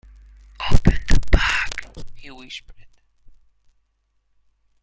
‘Open the bag!’ he whispered.